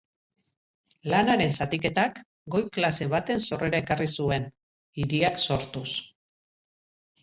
Lanaren zatiketak goi klase baten sorrera ekarri zuen, hiriak sortuz.